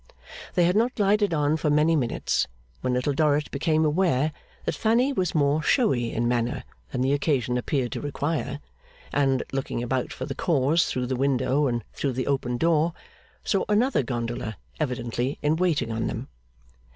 They had not glided on for many minutes, when Little Dorrit became aware that Fanny was more showy in manner than the occasion appeared to require, and, looking about for the cause through the window and through the open door, saw another gondola evidently in waiting on them.